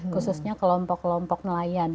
khususnya kelompok kelompok nelayan